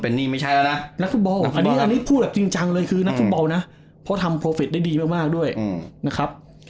อันนี้พูดจริงเลยคือนักฟุตบอลนะเพราะทำโปรเฟฟิตได้ดีมากด้วยนะครับ